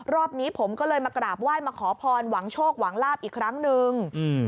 รอบนี้ผมก็เลยมากราบไหว้มาขอพรหวังโชคหวังลาบอีกครั้งนึง